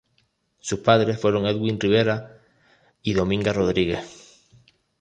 Sus padres fueron Edwin Rivera y Dominga Rodríguez.